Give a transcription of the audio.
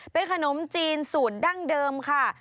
เป็นขนมจีนสูตรดั้งเดิมค่ะ